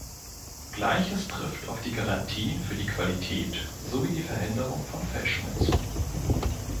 Gleiches trifft auf die Garantien für die Qualität sowie die Verhinderung von Fälschungen zu.